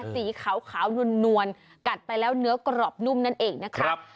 สีขาวนวลกัดไปแล้วเนื้อกรอบนุ่มนั่นเองนะครับ